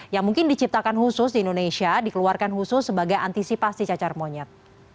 yang mungkin diciptakan khusus di indonesia dikeluarkan khusus sebagai antisipasi cacar monyet